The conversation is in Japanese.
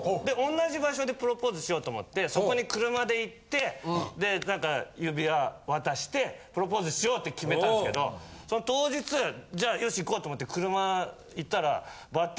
同じ場所でプロポーズしようと思ってそこに車で行ってで指輪渡してプロポーズしようって決めたんすけど当日よし行こう！と思って車行ったら。